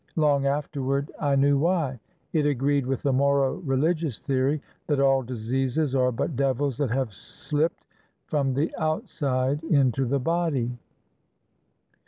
Long afterward I knew why. It agreed with the Moro religious theory that all diseases are but devils that have slipped from the outside into the body.